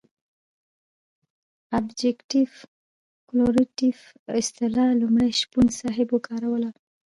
ابجګټف کورلیټف اصطلاح لومړی شپون صاحب وکاروله.